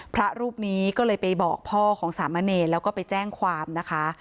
พระรูปนี้ก็เลยไปบอกพ่อของสามะเนรแล้วก็ไปแจ้งความนะคะ